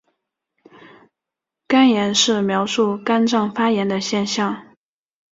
肝炎是描述肝脏发炎的现象。